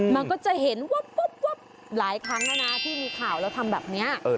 มันก็จะเห็นวับหลายครั้งแล้วนะที่มีข่าวแล้วทำแบบนี้